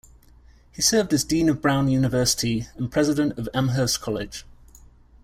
He served as dean of Brown University and president of Amherst College.